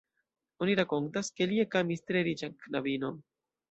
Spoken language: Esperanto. Oni rakontas, ke li ekamis tre riĉan knabinon.